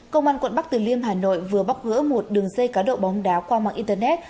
công an quận bắc từ liêm hà nội vừa bóc gỡ một đường dây cá độ bóng đá qua mạng internet